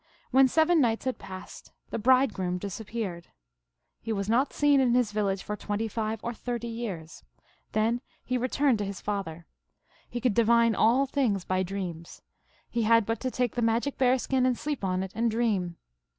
When seven nights had passed the bride groom disappeared. He was not seen in his village for twenty five or thirty years. Then he returned to his father. He could divine all things by dreams. He had but to take the magic bear skin and sleep on it, and dream.